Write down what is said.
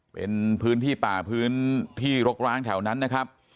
เป็นพื้นที่ป่าพื้นที่รกร้างแถวนั้นนะครับ